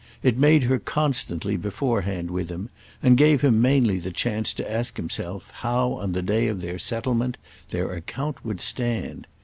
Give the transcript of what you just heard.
It made her constantly beforehand with him and gave him mainly the chance to ask himself how on the day of their settlement their account would stand.